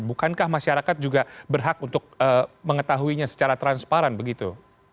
bukankah masyarakat juga berhak untuk mengetahuinya secara transparan begitu